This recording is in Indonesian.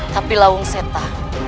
tapi lawung seta